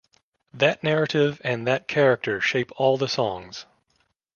That narrative and that character shape all the songs.